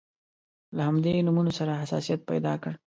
له همدې نومونو سره حساسیت پیدا کړ.